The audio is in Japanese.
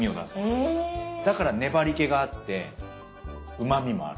えぇ⁉だから粘り気があってうまみもある。